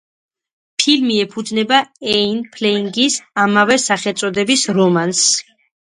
ფილმი ეფუძნება იენ ფლემინგის ამავე სახელწოდების რომანს.